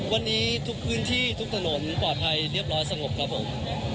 วันนี้ทุกพื้นที่ทุกถนนปลอดภัยเรียบร้อยสงบครับผม